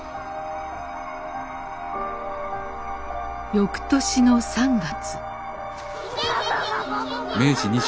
翌年の３月。